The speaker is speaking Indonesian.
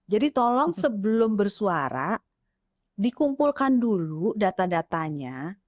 jadi tolong sebelum bersuara dikumpulkan dulu data datanya